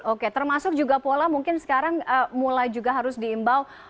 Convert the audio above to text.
oke termasuk juga pola mungkin sekarang mulai juga harus diimbau